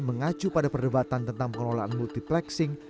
mengacu pada perdebatan tentang pengelolaan multiplexing